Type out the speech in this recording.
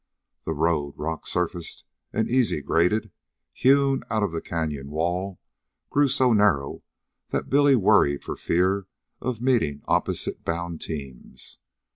The road, rock surfaced and easy graded, hewn out of the canyon wall, grew so narrow that Billy worried for fear of meeting opposite bound teams.